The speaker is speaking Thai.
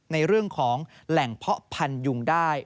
ในเรื่องของแหล่งเพาะพันยุงได้